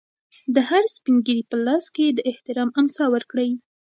د هر سپین ږیري په لاس کې د احترام امسا ورکړئ.